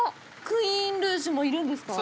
クイーンルージュもいるんですか？